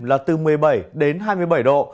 là từ một mươi bảy đến hai mươi bảy độ